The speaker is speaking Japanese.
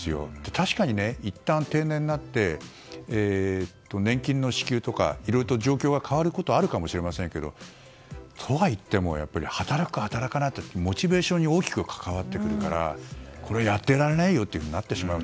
確かにいったん定年になって年金の支給とかいろいろ状況が変わることはあるかもしれませんけどとはいってもやっぱり働く、働かないってモチベーションに大きく関わってくるからこれはやってられないよとなってしまう。